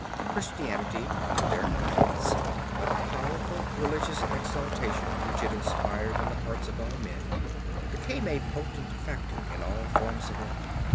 Christianity under their guidance, by the powerful religious exaltation which it inspired in the hearts of all men, became a potent factor in all forms of art.